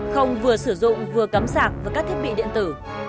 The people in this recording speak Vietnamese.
không vừa sử dụng vừa cắm sạc với các thiết bị điện tử